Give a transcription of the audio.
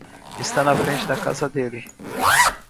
Está na frente da casa dele.